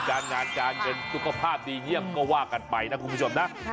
การงานการเงินสุขภาพดีเยี่ยมก็ว่ากันไปนะคุณผู้ชมนะ